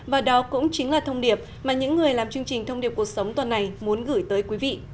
và đó cũng chính là thông điệp mà những người làm chương trình thông điệp cuộc sống tuần này muốn gửi tới quý vị